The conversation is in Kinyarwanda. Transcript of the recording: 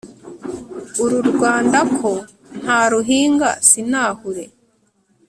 uru rwanda ko nta ruhinga sinahure